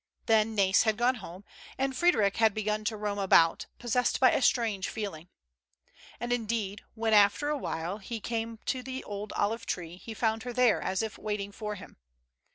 Then Nais had gone home, and Frederic had begun to roam about, possessed by a strange feeling. And, indeed, Avhen after awhile he came to the old olive tree, he found her there as if waiting for him.